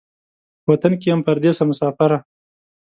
په وطن کې یم پردېسه مسافره